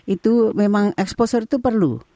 itu memang exposure itu perlu